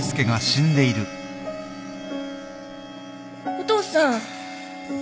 お父さん！